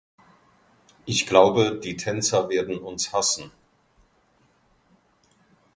Ich glaube die Tänzer werden uns hassen.